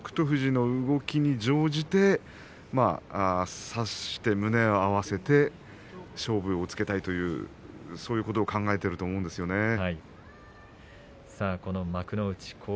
富士の動きに乗じて差して、胸を合わせて勝負をつけたいというそういうことを考えていると思うんですよね。